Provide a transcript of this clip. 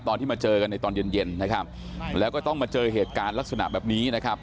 ตอนที่มาเจอกันในตอนเย็นเย็นนะครับแล้วก็ต้องมาเจอเหตุการณ์ลักษณะแบบนี้นะครับ